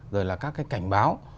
rồi là các cái cảnh báo